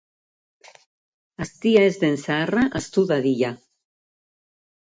Aztia ez den zaharra ahaztu dadila.